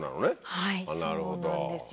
はいそうなんですよ。